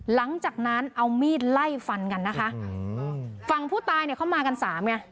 หลังจากนั้นเอามีดไล่ฟันกันนะคะอืมฝั่งผู้ตายเนี่ยเขามากันสามไง